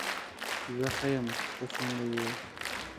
زه ښه یم، ته څنګه یې؟